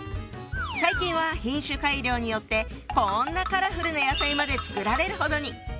最近は品種改良によってこんなカラフルな野菜まで作られるほどに。